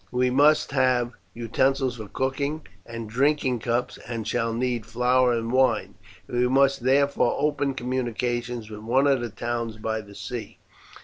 We must have utensils for cooking, and drinking cups, and shall need flour and wine; we must therefore open communications with one of the towns by the sea.